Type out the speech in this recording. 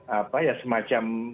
apa ya semacam